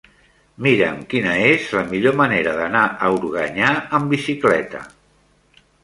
Mira'm quina és la millor manera d'anar a Organyà amb bicicleta.